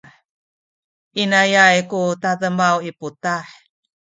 inayay ku tademaw i putah.